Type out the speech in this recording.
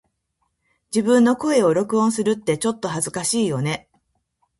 自分の声を録音するってちょっと恥ずかしいよね🫣